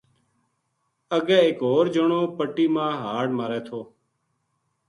اگے ایک ہو ر جنو پٹی ما ہاڑ مارے تھو